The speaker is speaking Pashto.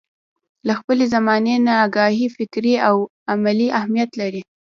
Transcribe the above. له خپلې زمانې نه اګاهي فکري او عملي اهميت لري.